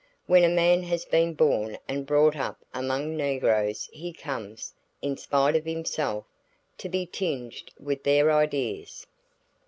When a man has been born and brought up among negroes he comes, in spite of himself, to be tinged with their ideas.